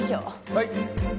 はい！